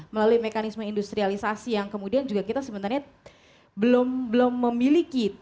melalui mekanisme industrialisasi yang kemudian juga kita sebenarnya belum memiliki